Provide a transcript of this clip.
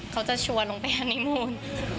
เขาจะชวนลงไปฮันนิมูล